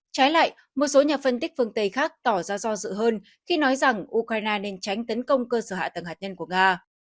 trái lại một số nhà phân tích phương tây khác tỏ ra do dự hơn khi nói rằng ukraine nên tránh tấn công cơ sở hạ tầng hạt nhân của nga